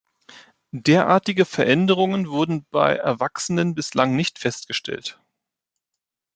Derartige Veränderungen wurden bei Erwachsenen bislang nicht festgestellt.